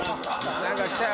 何か来たよ。